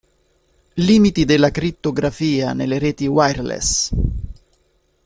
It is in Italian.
Limiti della crittografia nelle reti wireless.